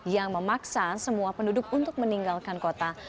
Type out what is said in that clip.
yang memaksa semua penduduk untuk meninggalkan kota